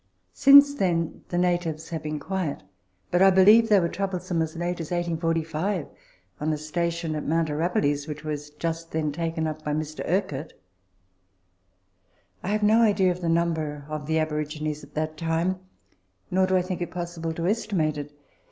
Since then the natives have been quiet, but I believe they were troublesome as late as 1845 on a station at Mount Arapiles, which was just then taken up by Mr. Urquhart. I have no idea of the number of the aborigines at that time, nor do I think it possible to estimate it.